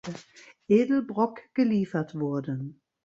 Edelbrock geliefert wurden.